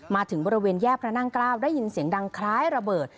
มาถึงบริเวณแยกพระนั่งเกล้าได้ยินเสียงดังคล้ายระเบิด